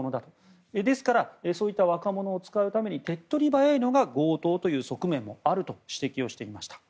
ですから、そういった若者を使うために手っ取り早いのが強盗という側面もあると指摘をしていました。